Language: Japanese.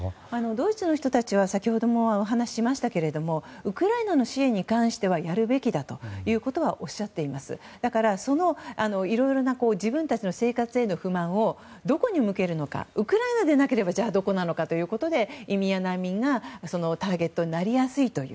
ドイツの人たちは先ほどもお話をしましたがウクライナの支援に関してはやるべきだということはおっしゃっていますからいろいろな自分たちの生活への不満をどこに向けるのかウクライナでなければじゃあどこなのかということで移民や難民がターゲットになりやすいという。